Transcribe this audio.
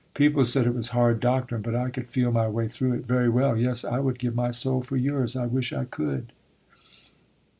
People said it was hard doctrine, but I could feel my way through it very well. Yes, I would give my soul for yours; I wish I could.